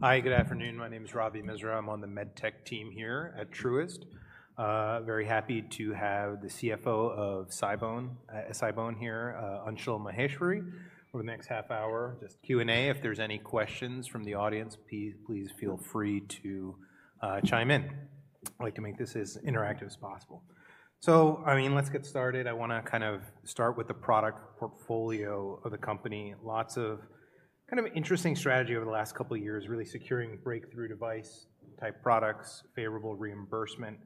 Hi, good afternoon. My name is Ravi Misra. I'm on the medtech team here at Truist. Very happy to have the CFO of SI-BONE here, Anshul Maheshwari, for the next half hour. Just Q&A. If there's any questions from the audience, please feel free to chime in. I'd like to make this as interactive as possible. I mean, let's get started. I want to kind of start with the product portfolio of the company. Lots of kind of interesting strategy over the last couple of years, really securing breakthrough device-type products, favorable reimbursement. Can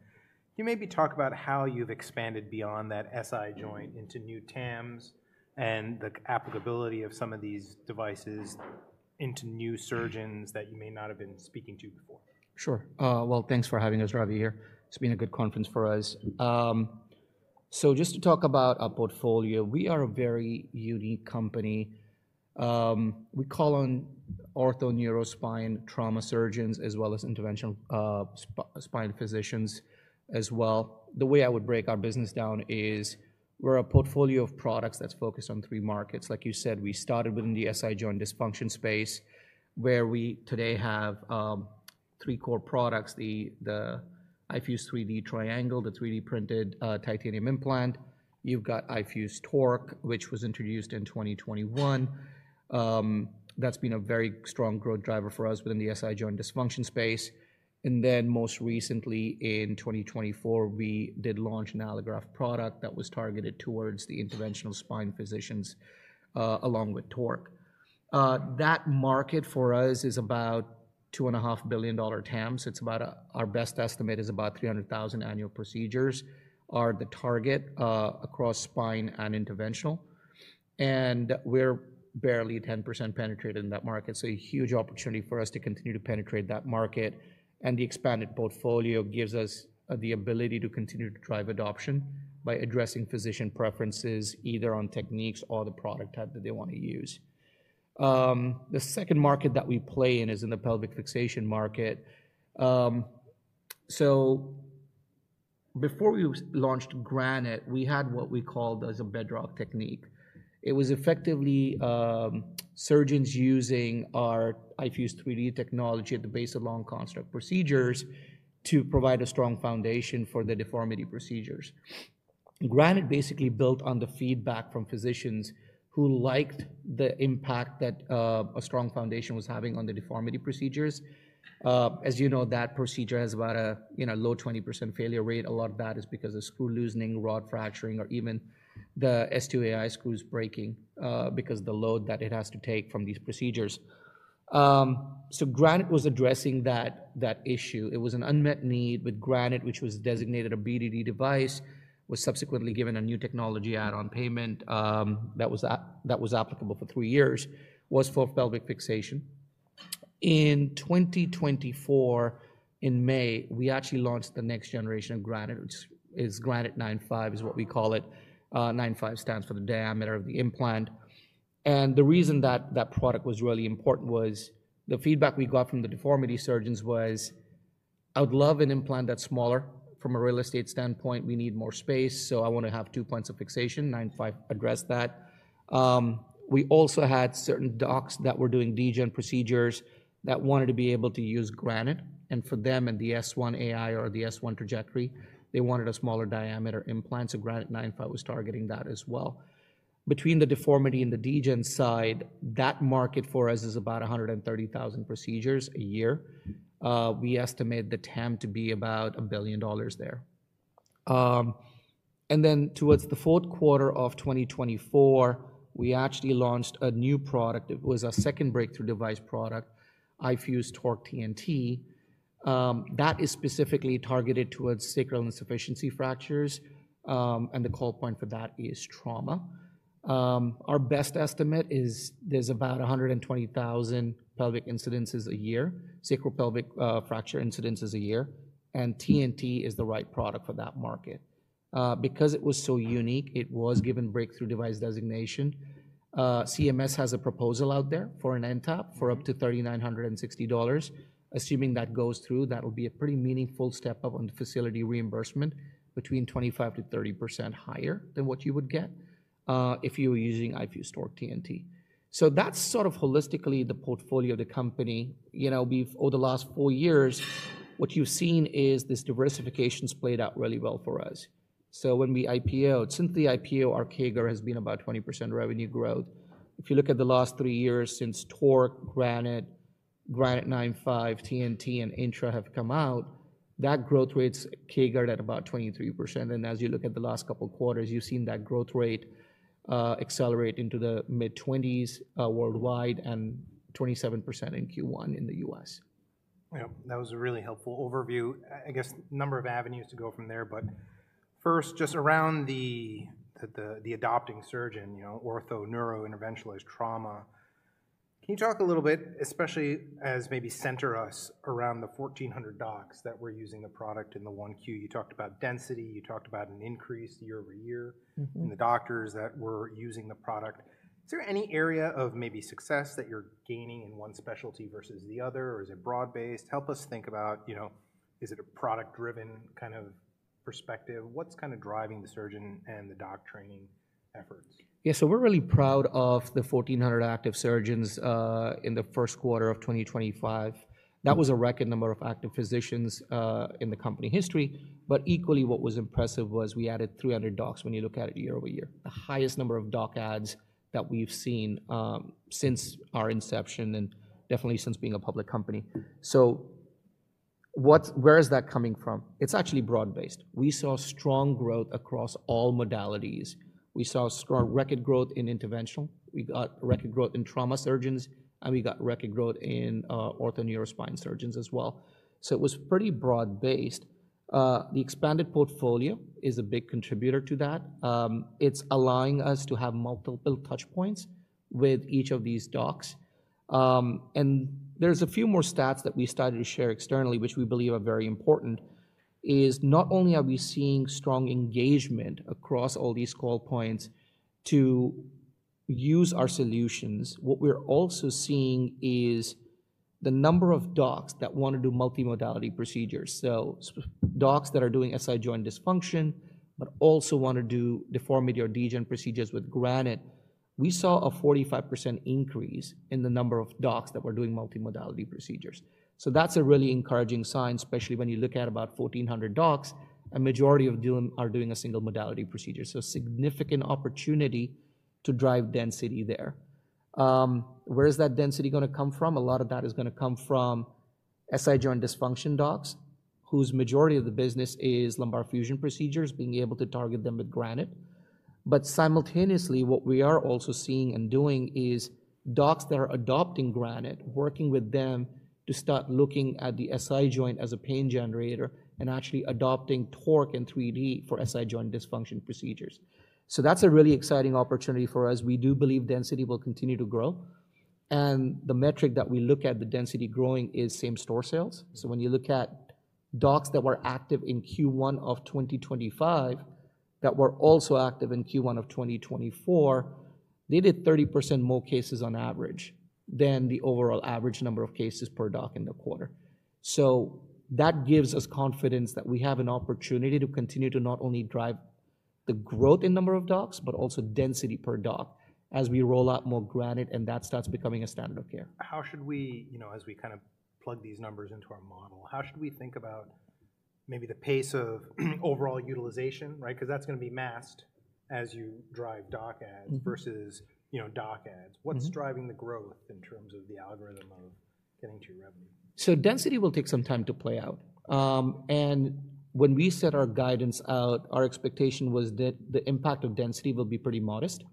you maybe talk about how you've expanded beyond that SI joint into new TAMs and the applicability of some of these devices into new surgeons that you may not have been speaking to before? Sure. Thanks for having us, Ravi, here. It's been a good conference for us. Just to talk about our portfolio, we are a very unique company. We call on ortho-neurospine trauma surgeons as well as interventional spine physicians as well. The way I would break our business down is we're a portfolio of products that's focused on three markets. Like you said, we started within the SI joint dysfunction space, where we today have three core products: the iFuse 3D triangle, the 3D printed titanium implant. You've got iFuse TORQ, which was introduced in 2021. That's been a very strong growth driver for us within the SI joint dysfunction space. Then most recently, in 2024, we did launch an allograft product that was targeted towards the interventional spine physicians along with TORQ. That market for us is about $2.5 billion TAM. It's about our best estimate is about 300,000 annual procedures are the target across spine and interventional. We're barely 10% penetrated in that market. A huge opportunity for us to continue to penetrate that market. The expanded portfolio gives us the ability to continue to drive adoption by addressing physician preferences either on techniques or the product type that they want to use. The second market that we play in is in the pelvic fixation market. Before we launched Granite, we had what we called as a Bedrock Technique. It was effectively surgeons using our iFuse 3D technology at the base of long construct procedures to provide a strong foundation for the deformity procedures. Granite basically built on the feedback from physicians who liked the impact that a strong foundation was having on the deformity procedures. As you know, that procedure has about a low 20% failure rate. A lot of that is because of screw loosening, rod fracturing, or even the S2AI screws breaking because of the load that it has to take from these procedures. Granite was addressing that issue. It was an unmet need with Granite, which was designated a BDD device, was subsequently given a new technology add-on payment that was applicable for three years, was for pelvic fixation. In 2024, in May, we actually launched the next generation of Granite, which is Granite 9.5, is what we call it. 9.5 stands for the diameter of the implant. And the reason that that product was really important was the feedback we got from the deformity surgeons was, "I would love an implant that's smaller." From a real estate standpoint, we need more space, so I want to have two points of fixation. 9.5 addressed that. We also had certain docs that were doing Dgen procedures that wanted to be able to use Granite. For them and the S1 AI or the S1 trajectory, they wanted a smaller diameter implant. Granite 9.5 was targeting that as well. Between the deformity and the Dgen side, that market for us is about 130,000 procedures a year. We estimate the TAM to be about $1 billion there. Towards the fourth quarter of 2024, we actually launched a new product. It was a second breakthrough device product, iFuse TORQ TNT. That is specifically targeted towards sacral insufficiency fractures. The call point for that is trauma. Our best estimate is there's about 120,000 pelvic incidences a year, sacral pelvic fracture incidences a year. TNT is the right product for that market. Because it was so unique, it was given Breakthrough Device Designation. CMS has a proposal out there for an NTAP for up to $3,960. Assuming that goes through, that will be a pretty meaningful step up on the facility reimbursement, between 25%-30% higher than what you would get if you were using iFuse TORQ TNT. That is sort of holistically the portfolio of the company. Over the last four years, what you have seen is this diversification has played out really well for us. When we IPO, since the IPO, our CAGR has been about 20% revenue growth. If you look at the last three years since TORQ, Granite, Granite 9.5, TNT, and INTRA have come out, that growth rate's CAGR at about 23%. As you look at the last couple of quarters, you've seen that growth rate accelerate into the mid-20s worldwide and 27% in Q1 in the U.S. Yeah, that was a really helpful overview. I guess number of avenues to go from there. First, just around the adopting surgeon, ortho-neuro-interventionalist trauma, can you talk a little bit, especially as maybe center us around the 1,400 docs that were using the product in the Q1? You talked about density. You talked about an increase year-over-year in the doctors that were using the product. Is there any area of maybe success that you're gaining in one specialty versus the other, or is it broad-based? Help us think about, is it a product-driven kind of perspective? What's kind of driving the surgeon and the doc training efforts? Yeah, so we're really proud of the 1,400 active surgeons in the first quarter of 2025. That was a record number of active physicians in the company history. Equally, what was impressive was we added 300 docs when you look at it year-over-year, the highest number of doc adds that we've seen since our inception and definitely since being a public company. Where is that coming from? It's actually broad-based. We saw strong growth across all modalities. We saw strong record growth in interventional. We got record growth in trauma surgeons, and we got record growth in ortho-neurospine surgeons as well. It was pretty broad-based. The expanded portfolio is a big contributor to that. It's allowing us to have multiple touchpoints with each of these docs. There are a few more stats that we started to share externally, which we believe are very important. Not only are we seeing strong engagement across all these call points to use our solutions, what we're also seeing is the number of docs that want to do multimodality procedures. Docs that are doing SI joint dysfunction, but also want to do deformity or Dgen procedures with Granite, we saw a 45% increase in the number of docs that were doing multimodality procedures. That's a really encouraging sign, especially when you look at about 1,400 docs, a majority are doing a single modality procedure. Significant opportunity to drive density there. Where is that density going to come from? A lot of that is going to come from SI joint dysfunction docs, whose majority of the business is lumbar fusion procedures, being able to target them with Granite. Simultaneously, what we are also seeing and doing is docs that are adopting Granite, working with them to start looking at the SI joint as a pain generator and actually adopting TORQ and 3D for SI joint dysfunction procedures. That is a really exciting opportunity for us. We do believe density will continue to grow. The metric that we look at for density growing is same store sales. When you look at docs that were active in Q1 of 2025 that were also active in Q1 of 2024, they did 30% more cases on average than the overall average number of cases per doc in the quarter. That gives us confidence that we have an opportunity to continue to not only drive the growth in number of docs, but also density per doc as we roll out more Granite, and that starts becoming a standard of care. How should we, as we kind of plug these numbers into our model, how should we think about maybe the pace of overall utilization, right? Because that's going to be masked as you drive doc adds versus doc adds. What's driving the growth in terms of the algorithm of getting to your revenue? Density will take some time to play out. When we set our guidance out, our expectation was that the impact of density will be pretty modest.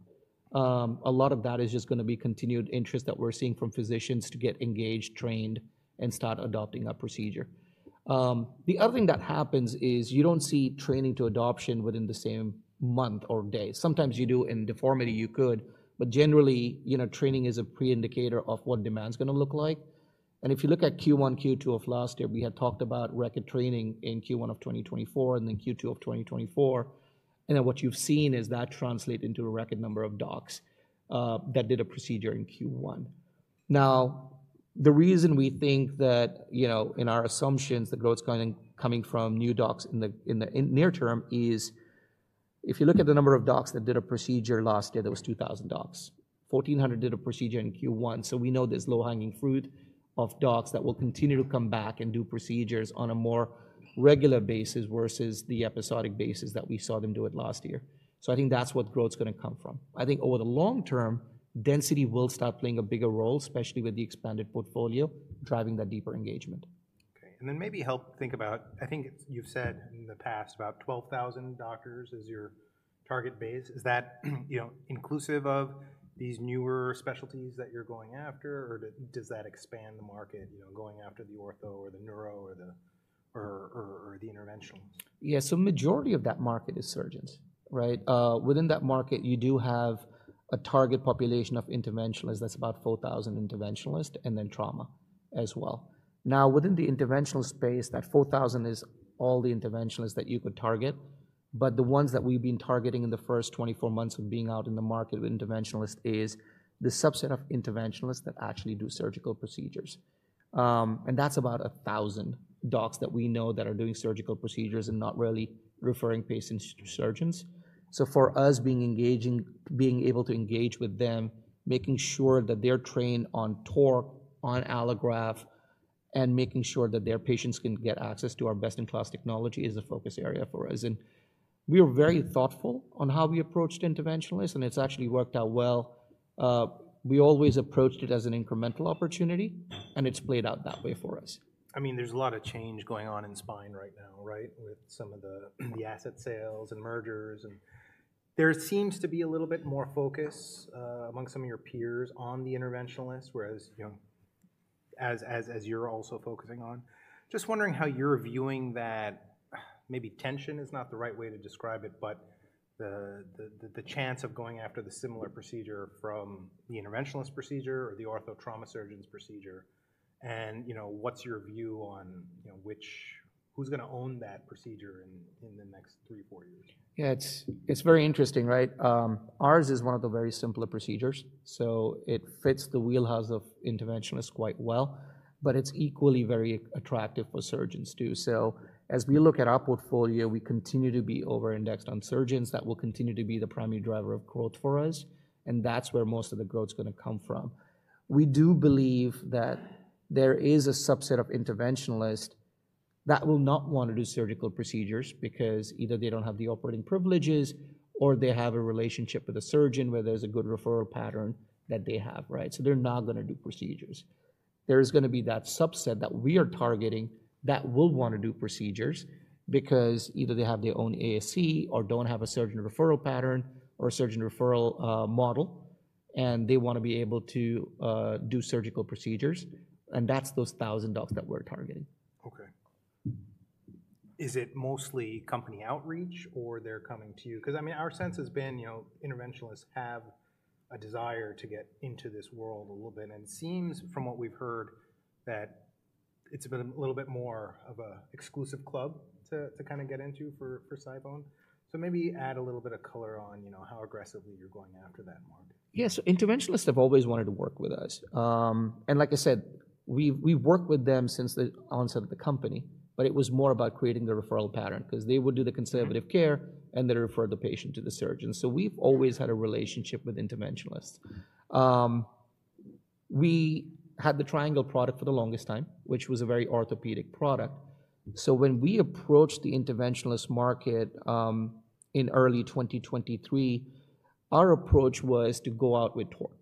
A lot of that is just going to be continued interest that we're seeing from physicians to get engaged, trained, and start adopting a procedure. The other thing that happens is you don't see training to adoption within the same month or day. Sometimes you do in deformity, you could, but generally, training is a pre-indicator of what demand's going to look like. If you look at Q1, Q2 of last year, we had talked about record training in Q1 of 2024 and then Q2 of 2024. What you've seen is that translate into a record number of docs that did a procedure in Q1. Now, the reason we think that in our assumptions, the growth's coming from new docs in the near term is if you look at the number of docs that did a procedure last year, there were 2,000 docs. 1,400 did a procedure in Q1. We know there's low-hanging fruit of docs that will continue to come back and do procedures on a more regular basis versus the episodic basis that we saw them do it last year. I think that's what growth's going to come from. I think over the long term, density will start playing a bigger role, especially with the expanded portfolio, driving that deeper engagement. Okay. Maybe help think about, I think you've said in the past about 12,000 doctors as your target base. Is that inclusive of these newer specialties that you're going after, or does that expand the market going after the ortho or the neuro or the interventional? Yeah, so majority of that market is surgeons, right? Within that market, you do have a target population of interventionalists. That's about 4,000 interventionalists and then trauma as well. Now, within the interventional space, that 4,000 is all the interventionalists that you could target. The ones that we've been targeting in the first 24 months of being out in the market with interventionalists is the subset of interventionalists that actually do surgical procedures. That's about 1,000 docs that we know that are doing surgical procedures and not really referring patients to surgeons. For us, being able to engage with them, making sure that they're trained on TORQ, on allograft, and making sure that their patients can get access to our best-in-class technology is a focus area for us. We are very thoughtful on how we approached interventionalists, and it's actually worked out well. We always approached it as an incremental opportunity, and it's played out that way for us. I mean, there's a lot of change going on in spine right now, right, with some of the asset sales and mergers. There seems to be a little bit more focus among some of your peers on the interventionalists, whereas as you're also focusing on. Just wondering how you're viewing that, maybe tension is not the right way to describe it, but the chance of going after the similar procedure from the interventionalist procedure or the ortho-trauma surgeon's procedure. What's your view on who's going to own that procedure in the next three, four years? Yeah, it's very interesting, right? Ours is one of the very simpler procedures. It fits the wheelhouse of interventionalists quite well, but it's equally very attractive for surgeons too. As we look at our portfolio, we continue to be over-indexed on surgeons. That will continue to be the primary driver of growth for us. That is where most of the growth's going to come from. We do believe that there is a subset of interventionalists that will not want to do surgical procedures because either they do not have the operating privileges or they have a relationship with a surgeon where there is a good referral pattern that they have, right? They are not going to do procedures. There's going to be that subset that we are targeting that will want to do procedures because either they have their own ASC or do not have a surgeon referral pattern or a surgeon referral model, and they want to be able to do surgical procedures. And that's those 1,000 docs that we're targeting. Okay. Is it mostly company outreach, or they're coming to you? Because, I mean, our sense has been interventionalists have a desire to get into this world a little bit. It seems, from what we've heard, that it's been a little bit more of an exclusive club to kind of get into for SI-BONE. Maybe add a little bit of color on how aggressively you're going after that market. Yeah, so interventionalists have always wanted to work with us. And like I said, we've worked with them since the onset of the company, but it was more about creating the referral pattern because they would do the conservative care and they'd refer the patient to the surgeon. So we've always had a relationship with interventionalists. We had the triangle product for the longest time, which was a very orthopedic product. So when we approached the interventionalist market in early 2023, our approach was to go out with TORQ.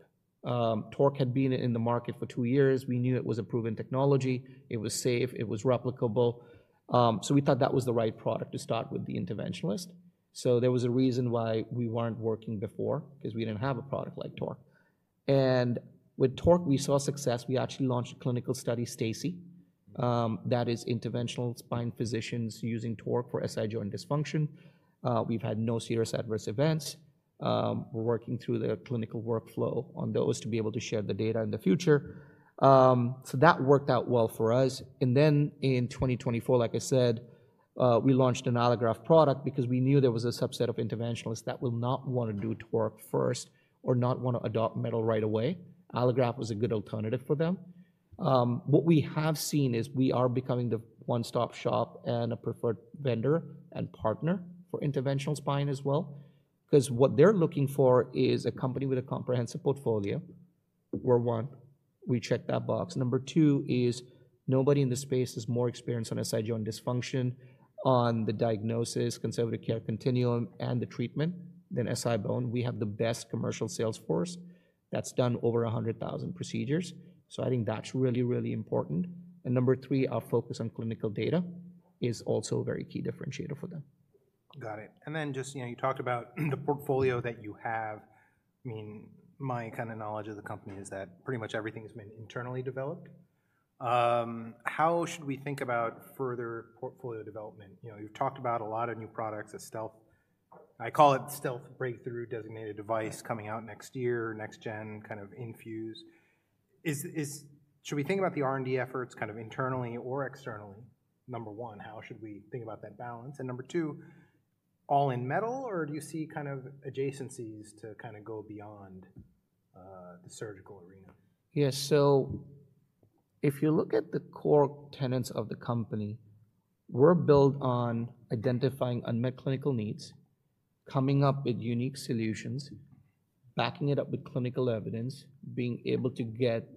TORQ had been in the market for two years. We knew it was a proven technology. It was safe. It was replicable. So we thought that was the right product to start with the interventionalist. So there was a reason why we weren't working before because we didn't have a product like TORQ. And with TORQ, we saw success. We actually launched a clinical study, STACI, that is interventional spine physicians using TORQ for SI joint dysfunction. We've had no serious adverse events. We're working through the clinical workflow on those to be able to share the data in the future. That worked out well for us. In 2024, like I said, we launched an allograft product because we knew there was a subset of interventionalists that will not want to do TORQ first or not want to adopt metal right away. Allograft was a good alternative for them. What we have seen is we are becoming the one-stop shop and a preferred vendor and partner for interventional spine as well. What they're looking for is a company with a comprehensive portfolio. We're one. We check that box. Number two is nobody in the space is more experienced on SI joint dysfunction, on the diagnosis, conservative care continuum, and the treatment than SI-BONE. We have the best commercial sales force that's done over 100,000 procedures. I think that's really, really important. Number three, our focus on clinical data is also a very key differentiator for them. Got it. You talked about the portfolio that you have. I mean, my kind of knowledge of the company is that pretty much everything has been internally developed. How should we think about further portfolio development? You've talked about a lot of new products, a stealth, I call it stealth breakthrough designated device coming out next year, next gen kind of infused. Should we think about the R&D efforts kind of internally or externally? Number one, how should we think about that balance? Number two, all in metal, or do you see kind of adjacencies to kind of go beyond the surgical arena? Yeah, so if you look at the core tenets of the company, we're built on identifying unmet clinical needs, coming up with unique solutions, backing it up with clinical evidence, being able to get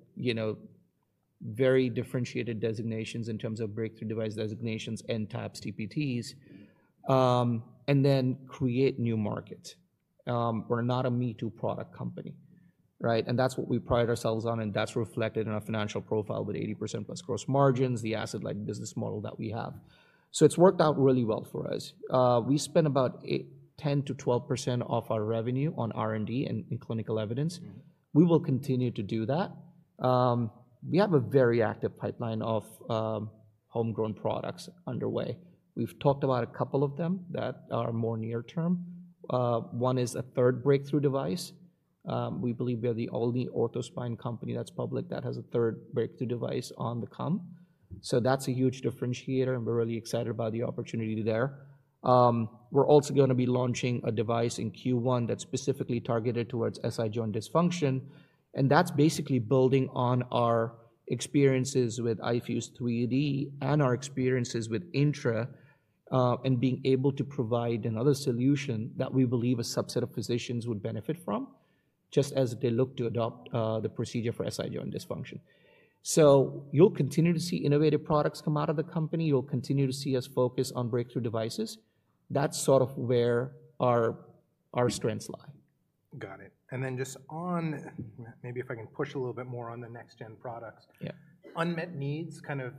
very differentiated designations in terms of breakthrough device designations and types TPTs, and then create new markets. We're not a me-too product company, right? That's what we pride ourselves on, and that's reflected in our financial profile with 80%+ gross margins, the asset-light business model that we have. It's worked out really well for us. We spend about 10%-12% of our revenue on R&D and clinical evidence. We will continue to do that. We have a very active pipeline of homegrown products underway. We've talked about a couple of them that are more near term. One is a third breakthrough device. We believe we are the only ortho spine company that's public that has a third breakthrough device on the come. That's a huge differentiator, and we're really excited about the opportunity there. We're also going to be launching a device in Q1 that's specifically targeted towards SI joint dysfunction. That's basically building on our experiences with iFuse 3D and our experiences with INTRA and being able to provide another solution that we believe a subset of physicians would benefit from just as they look to adopt the procedure for SI joint dysfunction. You'll continue to see innovative products come out of the company. You'll continue to see us focus on breakthrough devices. That's sort of where our strengths lie. Got it. And then just on maybe if I can push a little bit more on the next-gen products, unmet needs, kind of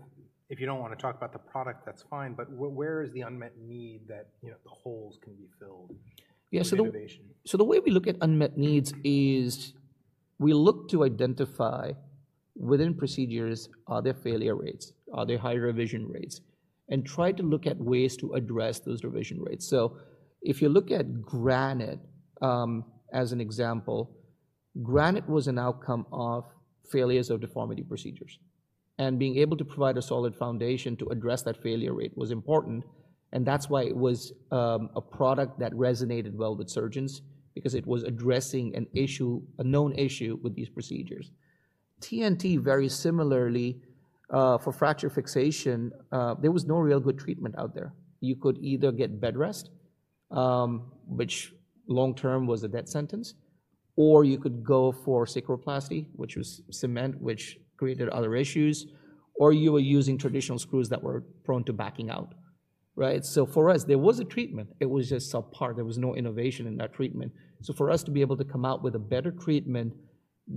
if you don't want to talk about the product, that's fine, but where is the unmet need that the holes can be filled? Yeah, so the way we look at unmet needs is we look to identify within procedures, are there failure rates? Are there high revision rates? Try to look at ways to address those revision rates. If you look at Granite as an example, Granite was an outcome of failures of deformity procedures. Being able to provide a solid foundation to address that failure rate was important. That is why it was a product that resonated well with surgeons because it was addressing a known issue with these procedures. TNT, very similarly, for fracture fixation, there was no real good treatment out there. You could either get bed rest, which long-term was a death sentence, or you could go for sacroplasty, which was cement, which created other issues, or you were using traditional screws that were prone to backing out, right? For us, there was a treatment. It was just subpar. There was no innovation in that treatment. For us to be able to come out with a better treatment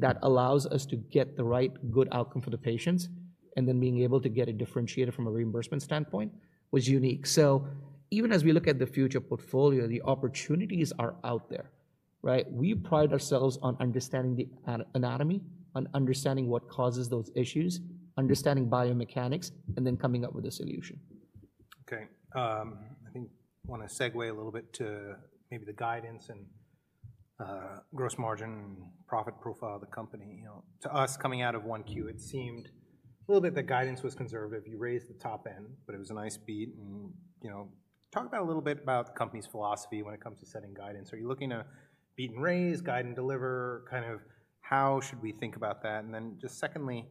that allows us to get the right good outcome for the patients and then being able to get it differentiated from a reimbursement standpoint was unique. Even as we look at the future portfolio, the opportunities are out there, right? We pride ourselves on understanding the anatomy, on understanding what causes those issues, understanding biomechanics, and then coming up with a solution. Okay. I think I want to segue a little bit to maybe the guidance and gross margin and profit profile of the company. To us, coming out of Q1, it seemed a little bit that guidance was conservative. You raised the top end, but it was a nice beat. Talk about a little bit about the company's philosophy when it comes to setting guidance. Are you looking to beat and raise, guide and deliver? Kind of how should we think about that? Secondly,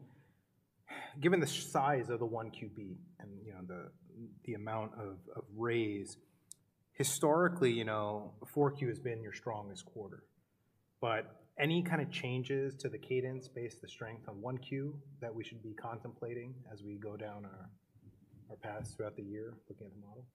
given the size of the Q1 beat and the amount of raise, historically, Q4 has been your strongest quarter. Any kind of changes to the cadence based on the strength of Q1 that we should be contemplating as we go down our path throughout the year looking at the model?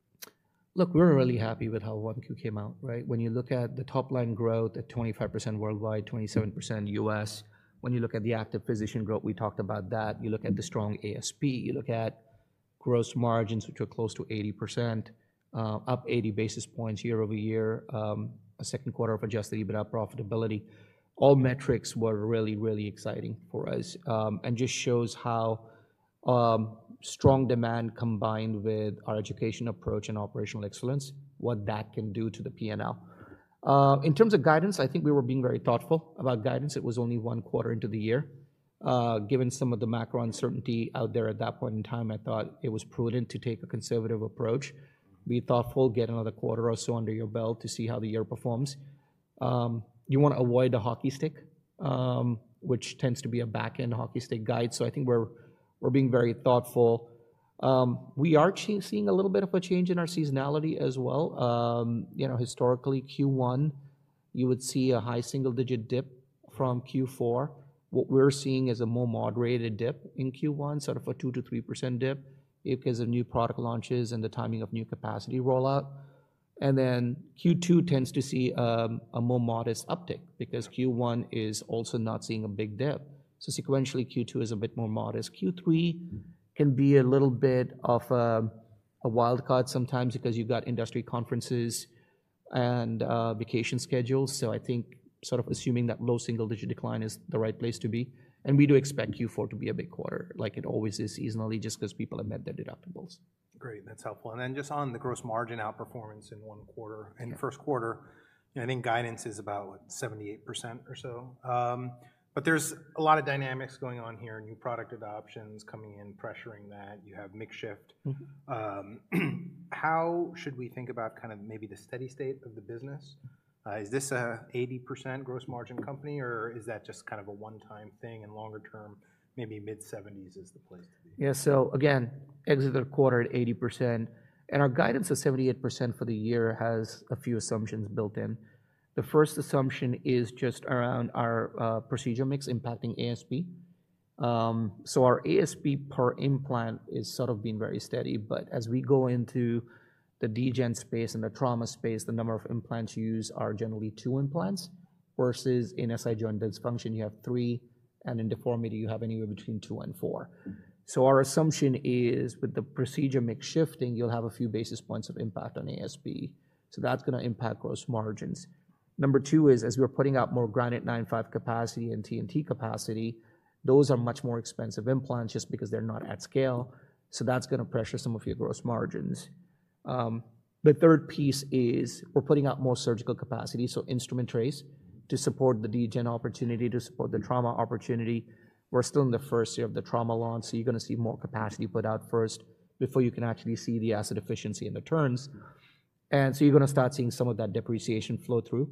Look, we're really happy with how Q1 came out, right? When you look at the top-line growth at 25% worldwide, 27% U.S., when you look at the active physician growth, we talked about that. You look at the strong ASP, you look at gross margins, which are close to 80%, up 80 basis points year-over-year, a second quarter of adjusted EBITDA profitability. All metrics were really, really exciting for us and just show how strong demand combined with our education approach and operational excellence, what that can do to the P&L. In terms of guidance, I think we were being very thoughtful about guidance. It was only one quarter into the year. Given some of the macro uncertainty out there at that point in time, I thought it was prudent to take a conservative approach. Be thoughtful, get another quarter or so under your belt to see how the year performs. You want to avoid the hockey stick, which tends to be a back-end hockey stick guide. I think we're being very thoughtful. We are seeing a little bit of a change in our seasonality as well. Historically, Q1, you would see a high single-digit dip from Q4. What we're seeing is a more moderated dip in Q1, sort of a 2%-3% dip because of new product launches and the timing of new capacity rollout. Q2 tends to see a more modest uptick because Q1 is also not seeing a big dip. Sequentially, Q2 is a bit more modest. Q3 can be a little bit of a wildcard sometimes because you've got industry conferences and vacation schedules. I think sort of assuming that low single-digit decline is the right place to be. And we do expect Q4 to be a big quarter, like it always is seasonally just because people have met their deductibles. Great. That's helpful. Then just on the gross margin outperformance in one quarter and first quarter, I think guidance is about 78% or so. There is a lot of dynamics going on here, new product adoptions coming in, pressuring that. You have mix shift. How should we think about kind of maybe the steady state of the business? Is this an 80% gross margin company, or is that just kind of a one-time thing and longer term, maybe mid-70s is the place to be? Yeah. So again, exit the quarter at 80%. And our guidance of 78% for the year has a few assumptions built in. The first assumption is just around our procedure mix impacting ASP. So our ASP per implant is sort of being very steady. But as we go into the Dgen space and the trauma space, the number of implants used are generally two implants versus in SI joint dysfunction, you have three, and in deformity, you have anywhere between two and four. So our assumption is with the procedure mix shifting, you'll have a few basis points of impact on ASP. That is going to impact gross margins. Number two is, as we're putting out more Granite 9.5 capacity and TNT capacity, those are much more expensive implants just because they're not at scale. That is going to pressure some of your gross margins. The third piece is we're putting out more surgical capacity, so instrument trays to support the Dgen opportunity, to support the trauma opportunity. We're still in the first year of the trauma launch, so you're going to see more capacity put out first before you can actually see the asset efficiency and the turns. You're going to start seeing some of that depreciation flow through.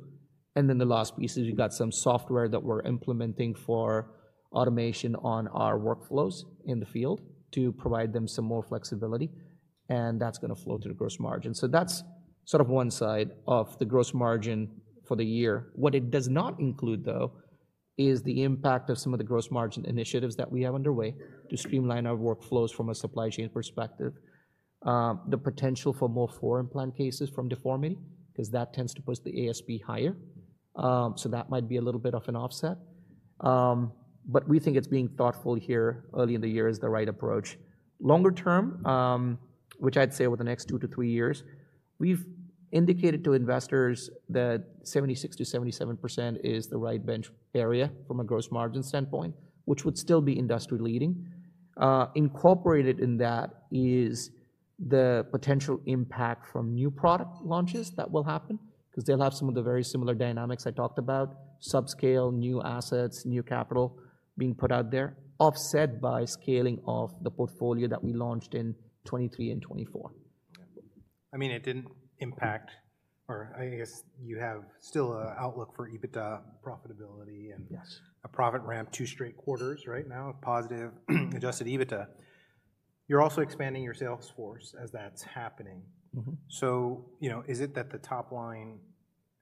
The last piece is we've got some software that we're implementing for automation on our workflows in the field to provide them some more flexibility. That's going to flow through the gross margin. That's sort of one side of the gross margin for the year. What it does not include, though, is the impact of some of the gross margin initiatives that we have underway to streamline our workflows from a supply chain perspective, the potential for more foreign plant cases from deformity, because that tends to push the ASP higher. That might be a little bit of an offset. We think being thoughtful here early in the year is the right approach. Longer term, which I'd say over the next two to three years, we've indicated to investors that 76%-77% is the right bench area from a gross margin standpoint, which would still be industry leading. Incorporated in that is the potential impact from new product launches that will happen because they'll have some of the very similar dynamics I talked about, subscale, new assets, new capital being put out there, offset by scaling of the portfolio that we launched in 2023 and 2024. I mean, it didn't impact, or I guess you have still an outlook for EBITDA profitability and a profit ramp two straight quarters right now of positive adjusted EBITDA. You're also expanding your sales force as that's happening. Is it that the top-line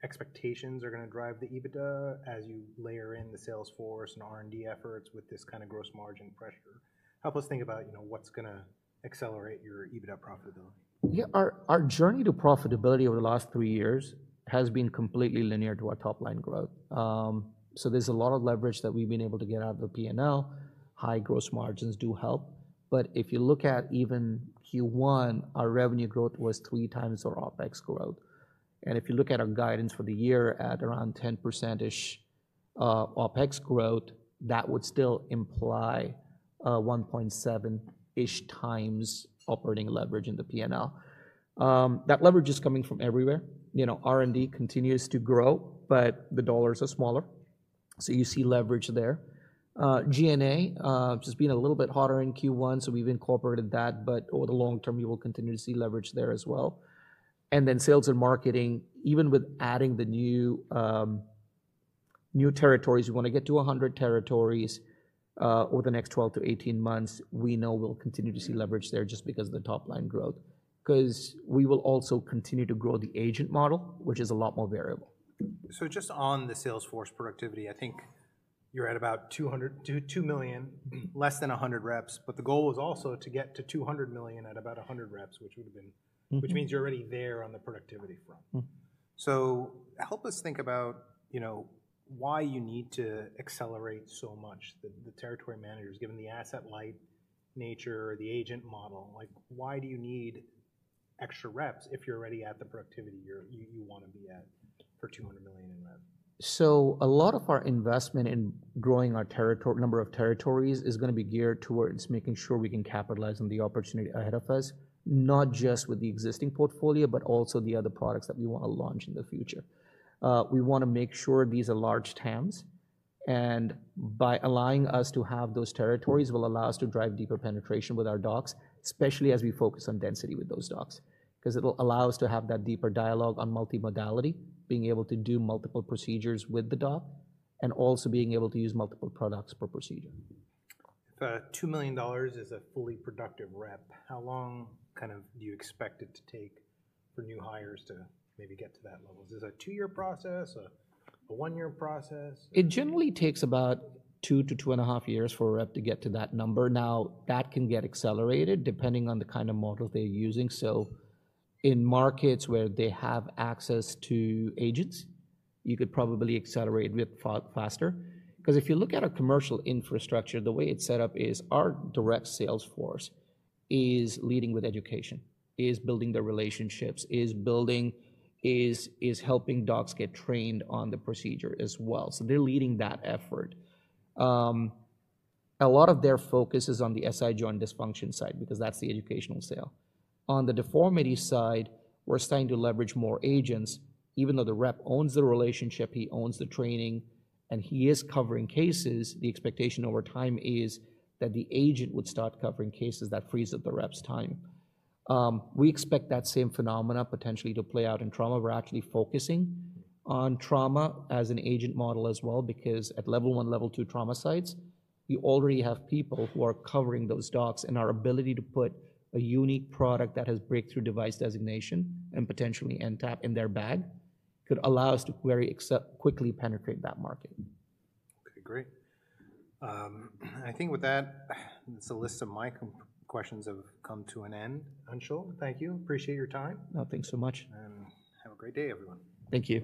expectations are going to drive the EBITDA as you layer in the sales force and R&D efforts with this kind of gross margin pressure? Help us think about what's going to accelerate your EBITDA profitability. Yeah, our journey to profitability over the last three years has been completely linear to our top-line growth. So there's a lot of leverage that we've been able to get out of the P&L. High gross margins do help. But if you look at even Q1, our revenue growth was three times our OpEx growth. And if you look at our guidance for the year at around 10%-ish OpEx growth, that would still imply 1.7-ish times operating leverage in the P&L. That leverage is coming from everywhere. R&D continues to grow, but the dollars are smaller. So you see leverage there. G&A just being a little bit hotter in Q1, so we've incorporated that. But over the long term, you will continue to see leverage there as well. Sales and marketing, even with adding the new territories, we want to get to 100 territories over the next 12 to 18 months. We know we'll continue to see leverage there just because of the top-line growth because we will also continue to grow the agent model, which is a lot more variable. Just on the sales force productivity, I think you're at about $2 million, less than 100 reps. The goal was also to get to $200 million at about 100 reps, which would have been, which means you're already there on the productivity front. Help us think about why you need to accelerate so much the territory managers, given the asset light nature or the agent model. Why do you need extra reps if you're already at the productivity you want to be at for $200 million in reps? A lot of our investment in growing our number of territories is going to be geared towards making sure we can capitalize on the opportunity ahead of us, not just with the existing portfolio, but also the other products that we want to launch in the future. We want to make sure these are large TAMs. By allowing us to have those territories, it will allow us to drive deeper penetration with our docs, especially as we focus on density with those docs because it will allow us to have that deeper dialogue on multimodality, being able to do multiple procedures with the doc and also being able to use multiple products per procedure. If $2 million is a fully productive rep, how long kind of do you expect it to take for new hires to maybe get to that level? Is it a two-year process, a one-year process? It generally takes about two to two and a half years for a rep to get to that number. Now, that can get accelerated depending on the kind of model they're using. In markets where they have access to agents, you could probably accelerate it faster. If you look at our commercial infrastructure, the way it's set up is our direct sales force is leading with education, is building their relationships, is helping docs get trained on the procedure as well. They're leading that effort. A lot of their focus is on the SI joint dysfunction side because that's the educational sale. On the deformity side, we're starting to leverage more agents. Even though the rep owns the relationship, he owns the training, and he is covering cases, the expectation over time is that the agent would start covering cases that frees up the rep's time. We expect that same phenomena potentially to play out in trauma. We're actually focusing on trauma as an agent model as well because at level one, level two trauma sites, you already have people who are covering those docs. Our ability to put a unique product that has Breakthrough Device Designation and potentially NTAP in their bag could allow us to very quickly penetrate that market. Okay, great. I think with that, the list of my questions have come to an end. Anshul, thank you. Appreciate your time. No, thanks so much. Have a great day, everyone. Thank you.